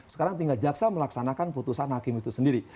sekarang tinggal jaksa melaksanakan putusan hakim itu sendiri